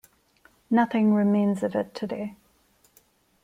Nothing remains of it today.